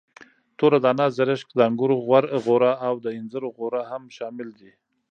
توره دانه، زرشک، د انګورو غوره او د انځرو غوره هم شامل دي.